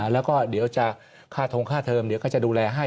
แล้วก็เดี๋ยวจะค่าทงค่าเทอมเดี๋ยวก็จะดูแลให้